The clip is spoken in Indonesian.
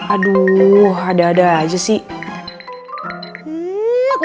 aduh ada ada aja sih